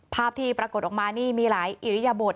ภาพที่ปรากฏออกมานี่มีหลายอิริยบท